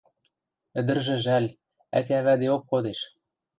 Ӹдӹржӹ жӓл, ӓтя-ӓвӓдеок кодеш.